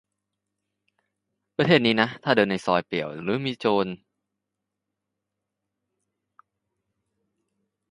"ประเทศนี้นะถ้าเดินในซอยเปลี่ยวแล้วมีโจรหรือใครมาดักทำมิดีมิร้าย ให้ตะโกนว่า "เผด็จการจงพินาศ